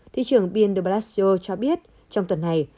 thị trường bill de blasio cho biết trong tuần này